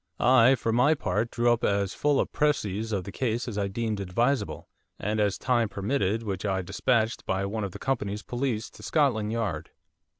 I, for my part, drew up as full a précis of the case as I deemed advisable, and as time permitted, which I despatched by one of the company's police to Scotland Yard.